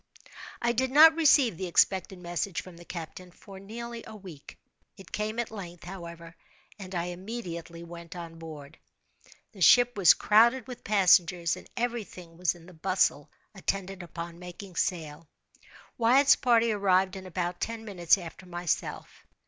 I did not receive the expected message from the captain for nearly a week. It came at length, however, and I immediately went on board. The ship was crowded with passengers, and every thing was in the bustle attendant upon making sail. Wyatt's party arrived in about ten minutes after myself.